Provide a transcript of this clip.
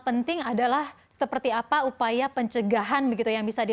pencegahannya lewat imunisasi